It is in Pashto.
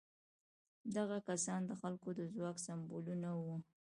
دغه کسان د خلکو د ځواک سمبولونه وو.